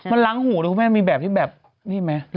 มันล้างหัวเนี่ยคุณแม่จะมีแบบที่แบบนี่เเมีย